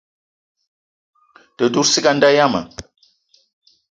Te dout ciga a nda yiam.